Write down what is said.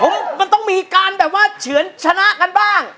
มันต้องมีการแบบว่าเฉือนชนะกันบ้าง